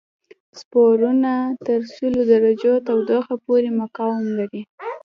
سپورونه تر سلو درجو تودوخه پورې مقاوم وي.